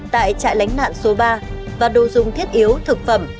tại trại lánh nạn số ba và đồ dùng thiết yếu thực phẩm